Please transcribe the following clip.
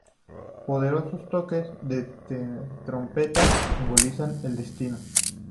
Poderosos toques de trompeta simbolizan el destino.